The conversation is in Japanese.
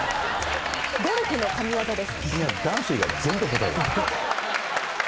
ゴルフの神技です。